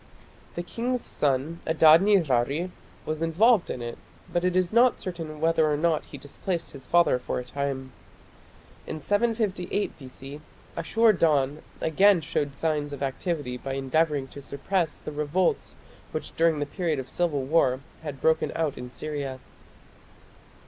The king's son Adad nirari was involved in it, but it is not certain whether or not he displaced his father for a time. In 758 B.C. Ashur dan again showed signs of activity by endeavouring to suppress the revolts which during the period of civil war had broken out in Syria.